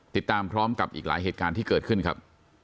ติดตามพร้อมกับอีกหลายเหตุการณ์ที่เกิดขึ้นครับ